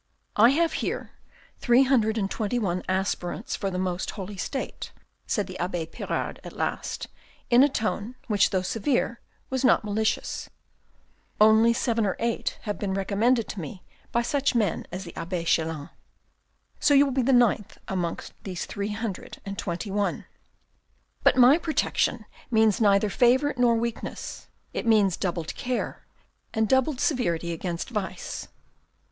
" I have here three hundred and twenty one aspirants for the most holy state," said the abbe Pirard at last, in a tone, which though severe, was not malicious ; only seven or eight have been recommended to me by such men as the abbe Chelan ; so you will be the ninth of these among the three THE SEMINARY 179 hundred and twenty one. But my protection means neither favour nor weakness, it means doubled care, and doubled severity against vice.